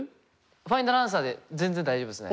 ファイナルアンサーで全然大丈夫ですね。